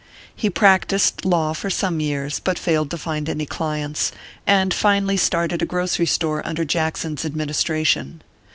He practised law for some years, but failed to find any clients, and finally started a grocery store under Jackson s admin istration.